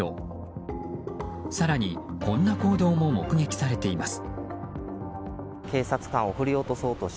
更に、こんな行動も目撃されています。